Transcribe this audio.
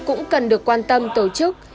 cũng cần được quan tâm tổ chức